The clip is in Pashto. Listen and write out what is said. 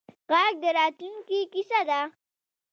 غږ د راتلونکې کیسه ده